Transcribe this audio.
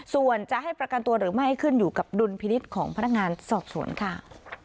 ส่วนจะให้ประกันตัวหรือไม่ขึ้นอยู่กับดุลพินิษฐ์ของพนักงานสอบสวนค่ะ